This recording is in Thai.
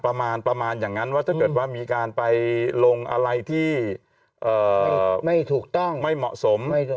ประมาณประมาณอย่างนั้นว่าถ้าเกิดว่ามีการไปลงอะไรที่ไม่ถูกต้องไม่เหมาะสม